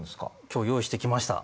今日用意してきました。